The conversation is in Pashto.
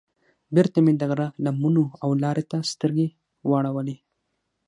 بېرته مې د غره لمنو او لارې ته سترګې واړولې.